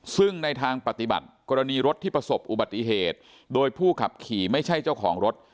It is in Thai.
ซึ่งในทางปฏิบัติกรณีรถที่ประสบอุบัติเหตุโดยผู้ขับขี่ไม่ใช่เจ้าของรถ